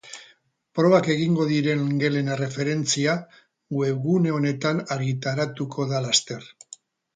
Probak egingo diren gelen erreferentzia webgune honetan argitaratuko da laster.